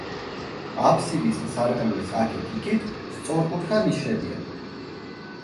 აფსიდის სარკმლის აქეთ-იქით სწორკუთხა ნიშებია.